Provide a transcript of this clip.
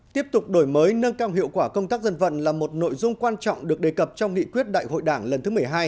tiếp tục đổi mới nâng cao hiệu quả công tác dân vận là một nội dung quan trọng được đề cập trong nghị quyết đại hội đảng lần thứ một mươi hai